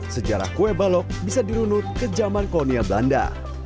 sejarah kue balok bisa dirunut ke zaman kolonia belanda